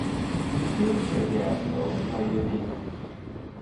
Nid yw'r pleidiau eto wedi oeri.